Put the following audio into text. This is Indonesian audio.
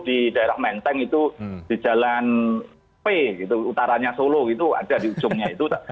di daerah menteng itu di jalan p utaranya solo itu ada di ujungnya itu